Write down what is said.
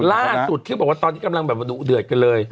ล่าสุดที่บอกว่าตอนนี้กำลังแบบว่าดุเดือดกันเลย